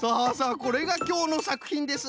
これがきょうのさくひんです。